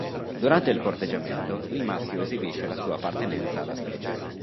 Durante il corteggiamento il maschio esibisce la sua appartenenza alla specie.